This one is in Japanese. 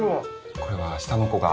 これは下の子が。